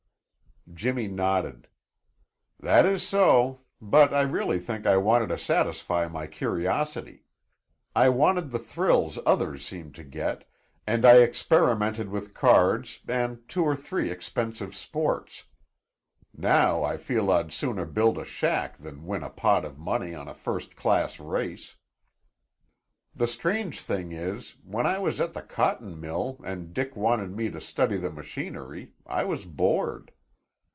Jimmy nodded. "That is so; but I really think I wanted to satisfy my curiosity. I wanted the thrills others seemed to get, and I experimented with cards and two or three expensive sports. Now I feel I'd sooner build a shack than win a pot of money on a first class race. The strange thing is, when I was at the cotton mill and Dick wanted me to study the machinery, I was bored."